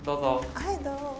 はいどうも。